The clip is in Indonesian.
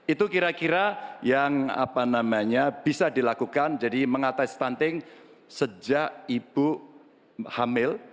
itu kira kira yang bisa dilakukan jadi mengatasi stunting sejak ibu hamil